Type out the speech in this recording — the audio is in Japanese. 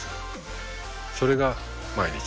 それが毎日です。